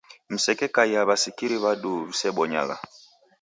Msekekaia w'asikiri w'aduu w'isebonyagha.